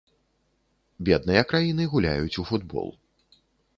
Бедныя краіны гуляюць у футбол.